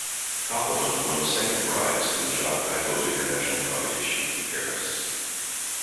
Kopelman won second prize in the Jacques Thibaud International Competition in Paris.